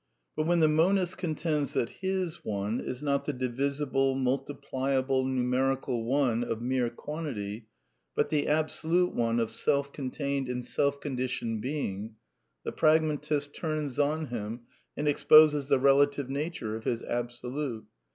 But when the monist contends that his One is not the divisible, multipliable, numerical " one " of mere quan tity, but the Absolute One of self contained and self conditioned Being, the pragmatist turns on him and ex poses the relative nature of his Absolute.